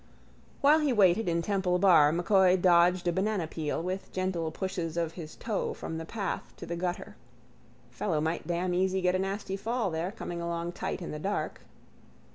While he waited in Temple bar M'Coy dodged a banana peel with gentle pushes of his toe from the path to the gutter. Fellow might damn easy get a nasty fall there coming along tight in the dark.